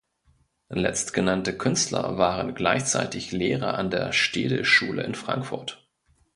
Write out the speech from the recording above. Letztgenannte Künstler waren gleichzeitig Lehrer an der Städelschule in Frankfurt.